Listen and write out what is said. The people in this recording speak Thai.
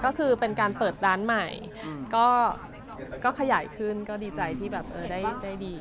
ก็คือเป็นการเปิดร้านใหม่ก็ขยายขึ้นก็ดีใจที่แบบได้ดี